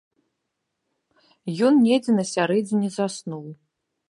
Ён недзе на сярэдзіне заснуў.